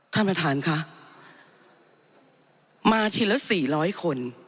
ท่านประธานค่ะมาทีละสี่ร้อยคน